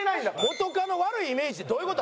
「元カノ」悪いイメージってどういう事？